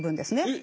え？